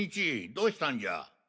どうしたんじゃ？